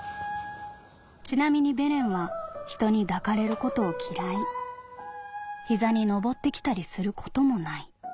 「ちなみにベレンは人に抱かれることを嫌い膝に登ってきたりすることもない。